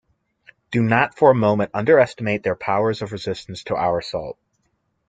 Do not for a moment underestimate their powers of resistance to our assault.